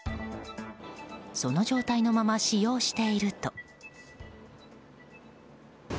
その状態のまま使用していると。